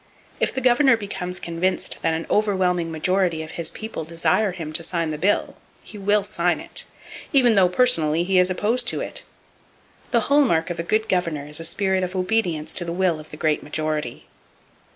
If the governor becomes convinced that an overwhelming majority of his people desire him to sign the bill, he will sign it, even though personally he is opposed to it! The hall mark of a good governor is a spirit of obedience to the will of the great majority.